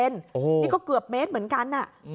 นี่ก็เกือบเมตรเหมือนกัน